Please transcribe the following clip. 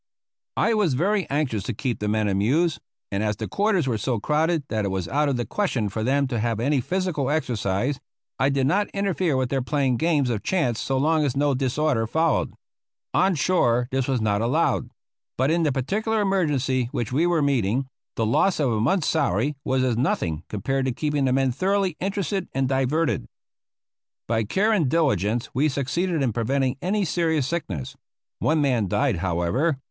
I was very anxious to keep the men amused, and as the quarters were so crowded that it was out of the question for them to have any physical exercise, I did not interfere with their playing games of chance so long as no disorder followed. On shore this was not allowed; but in the particular emergency which we were meeting, the loss of a month's salary was as nothing compared to keeping the men thoroughly interested and diverted. By care and diligence we succeeded in preventing any serious sickness. One man died, however.